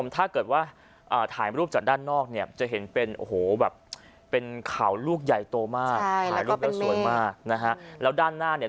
ถ้าเกิดว่าถ่ายรูปจากด้านนอกเนี่ยจะเห็นเป็นโอโหแบบเป็นขาวลูกใหญ่โตมาก